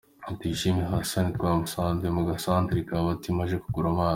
Tuyishime Hassan, twamusanze mu ga ‘centre’ ka Batima aje kugura amazi.